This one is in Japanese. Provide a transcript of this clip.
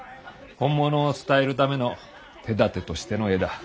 本物を伝えるための手だてとしての絵だ。